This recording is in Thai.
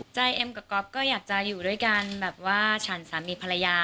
เอ็มกับก๊อฟก็อยากจะอยู่ด้วยกันแบบว่าฉันสามีภรรยา